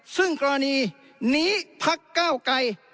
ซึ่งกรณีหนีพักก้าวไกล